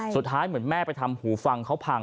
สุดท้ายเหมือนแม่ไปทำหูฟังเขาพัง